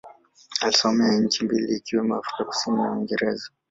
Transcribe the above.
Alisomea nchi mbili ikiwemo Afrika Kusini na Uingereza.